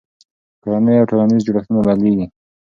کورنۍ او ټولنیز جوړښتونه بدلېږي.